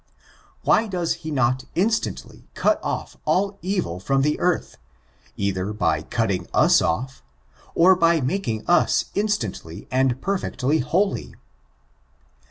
Why does he not instantly cut off all evil from the earth; either by cutting us o£^ or by making us instantly and peifectly holy?